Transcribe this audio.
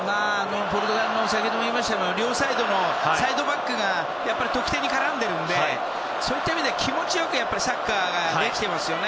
ポルトガルは先ほども言いましたがサイドバックが得点に絡んでるのでそういった意味で気持ち良くサッカーができていますよね。